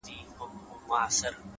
زه به د خال او خط خبري كوم ـ